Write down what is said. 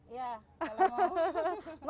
ya kalau mau